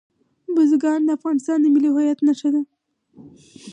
بزګان د افغانستان د ملي هویت نښه ده.